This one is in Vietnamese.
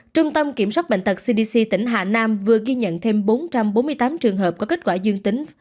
trung tâm kiểm soát bệnh tật cdc tỉnh hà nam vừa ghi nhận thêm bốn trăm bốn mươi tám trường hợp có kết quả dương tính